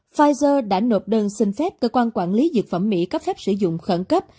pfizer đã nộp đơn xin phép cơ quan quản lý dược phẩm mỹ cấp phép sử dụng khẩn cấp